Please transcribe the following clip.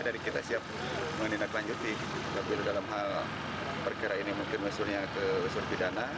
dari kita siap menindaklanjuti tapi dalam hal perkira ini mungkin mesurnya ke usur pidana